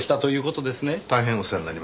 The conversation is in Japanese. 大変お世話になりました。